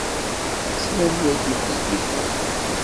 Slan yagi i tezlit-a.